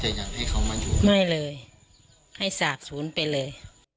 แต่อยากให้เขามาอยู่ไม่เลยให้สากศูนย์ไปเลย